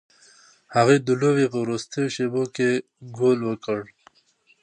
هغوی د لوبې په وروستیو شیبو کې ګول وکړ.